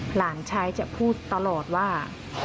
หลานชายจะพูดตลอดว่า